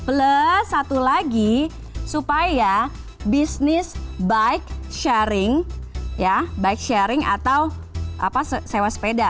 ada satu lagi supaya bisnis bike sharing ya bike sharing atau sewa sepeda